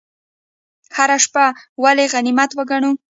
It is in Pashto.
هره شیبه ولې غنیمت وګڼو؟